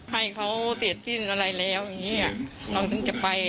ให้เขาเสร็จสิ้นอะไรแล้วอย่างนี้เราถึงจะไป